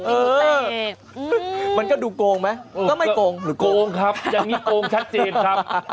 เออมันก็ดูโกงไหมก็ไม่โกงหรือโกงครับอย่างนี้โกงชัดเจนครับ